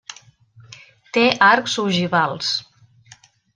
Té arcs ogivals.